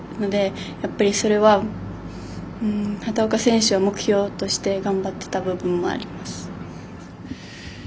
やっぱり、それは畑岡選手は目標として頑張ってた部分もあります。